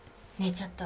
ちょっと。